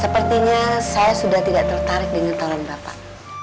sepertinya saya sudah tidak tertarik dengan taran bapak